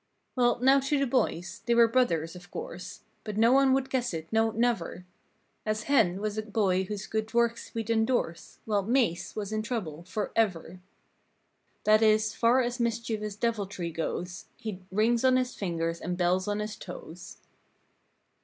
Well, now to the boys: They were brothers, of course. But no one would guess it, no, never; As "Hen" was a boy whose good works we'd endorse While "Mase" was in trouble, forever. That is, far as mischievous deviltry goes He'd "rings on his fingers and bells on his toes."